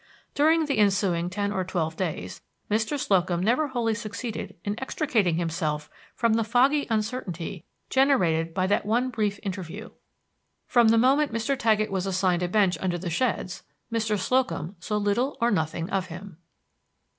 During the ensuing ten or twelve days Mr. Slocum never wholly succeeded in extricating himself from the foggy uncertainty generated by that one brief interview. From the moment Mr. Taggett was assigned a bench under the sheds, Mr. Slocum saw little or nothing of him.